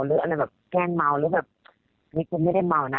หรือแกล้งเมานี่คุณไม่ได้เมานะ